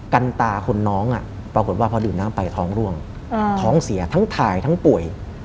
กันตาคนน้องปรากฏว่าพอดื่มน้ำไปท้องร่วงท้องเสียทั้งถ่ายทั้งป่วย